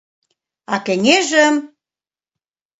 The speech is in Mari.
А кеҥежым...